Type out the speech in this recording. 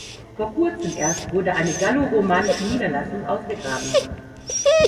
Vor kurzem erst wurde eine galloromanische Niederlassung ausgegraben.